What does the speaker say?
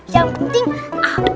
yang penting apik